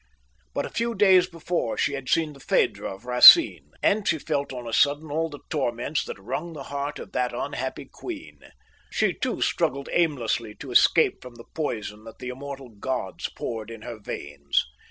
But a few days before she had seen the Phèdre of Racine, and she felt on a sudden all the torments that wrung the heart of that unhappy queen; she, too, struggled aimlessly to escape from the poison that the immortal gods poured in her veins.